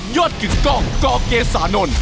ยอดกินกล้องกเกษานนท์